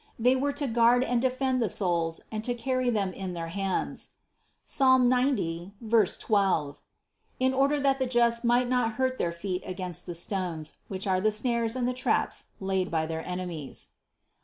They were to guard and de fend the souls and to carry them in their hands (Ps. 90, 12), in order that the just might not hurt their feet against the stones, which are the snares and the traps laid by their enemies.